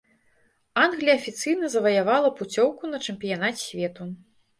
Англія афіцыйна заваявала пуцёўку на чэмпіянат свету.